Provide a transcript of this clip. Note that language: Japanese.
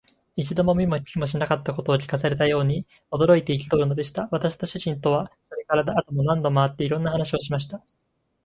一度も見も聞きもしなかったことを聞かされたように、驚いて憤るのでした。私と主人とは、それから後も何度も会って、いろんな話をしました。